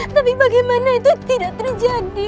tapi bagaimana itu tidak terjadi